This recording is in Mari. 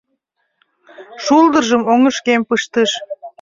Шулдыржым оҥышкем пыштыш.